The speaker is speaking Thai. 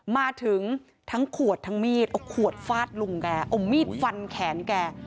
มาถึงทั้งขวดทั้งมีดเอาขวดฟาดลุงแกเอามีดฟันแขนแก